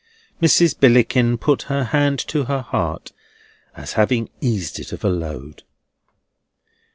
Mrs. Billickin put her hand to her heart, as having eased it of a load.